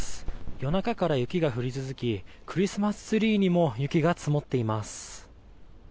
夜中から雪が降り続きクリスマスツリーにも雪が積もっています。